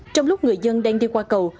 trong lúc người dân đang đi qua cầu